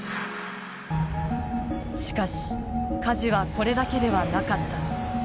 しかし火事はこれだけではなかった。